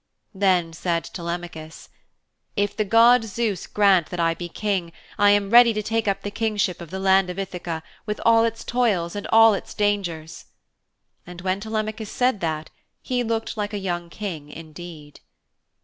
Then said Telemachus, 'If the god Zeus should grant that I be King, I am ready to take up the Kingship of the land of Ithaka with all its toils and all its dangers.' And when Telemachus said that he looked like a young king indeed.